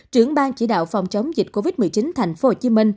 trưởng ban chỉ đạo phòng chống dịch covid một mươi chín tp hcm